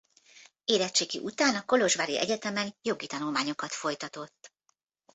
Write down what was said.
Érettségi után a kolozsvári egyetemen jogi tanulmányokat folytatott.